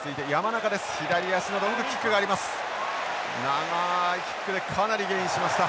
長いキックでかなりゲインしました。